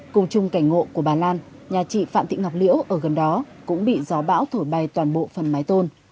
cùng chung cảnh ngộ của bà lan nhà chị phạm thị ngọc liễu ở gần đó cũng bị gió bão thổi bay toàn bộ phần mái tôn